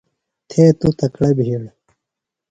تھے تُوۡ تکڑہ بِھیڑ.